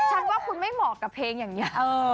ฉันว่าคุณไม่เหมาะกับเพลงอย่างนี้